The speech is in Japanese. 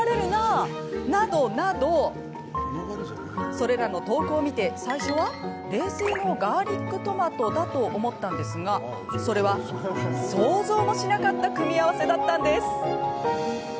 それらの投稿を見て最初は冷製のガーリックトマトだと思ったんですがそれは、想像もしなかった組み合わせだったんです。